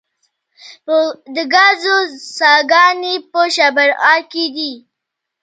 د ګازو څاګانې په شبرغان کې دي